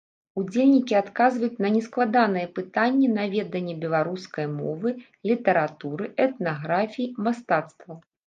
Удзельнікі адказваюць на нескладаныя пытанні на веданне беларускай мовы, літаратуры, этнаграфіі, мастацтва.